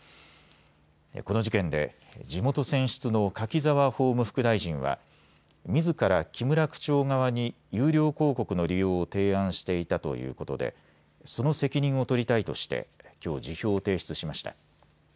この事件で地元選出の柿沢法務副大臣はみずから木村区長側に有料広告の利用を提案していたということでその責任を取りたいとしてきょう辞表を提出しました。